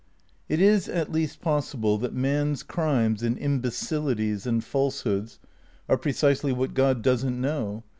It is at least possible that man's crimes and imbecil ities and falsehoods are precisely what God doesn't know.